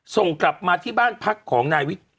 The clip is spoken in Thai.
ส่งกลับมาที่บ้านพักของนายวิทย์